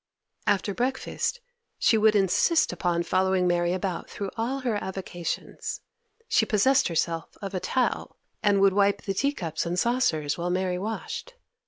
After breakfast she would insist upon following Mary about through all her avocations. She possessed herself of a towel, and would wipe the teacups and saucers while Mary washed.